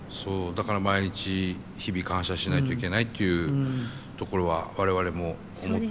だから毎日日々感謝しないといけないというところは我々も思っております。